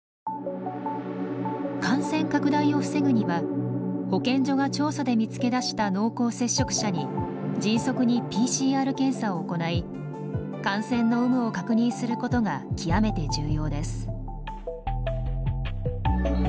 感染拡大を防ぐには保健所が調査で見つけ出した濃厚接触者に迅速にＰＣＲ検査を行い感染の有無を確認することが極めて重要です。